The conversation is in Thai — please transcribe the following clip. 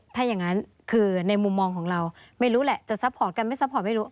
ถ้าอย่างนั้นคือในมุมมองของเราไม่รู้แหละจะซัพพอร์ตกันไม่ซัพพอร์ตไม่รู้